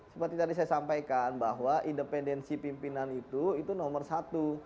seperti tadi saya sampaikan bahwa independensi pimpinan itu itu nomor satu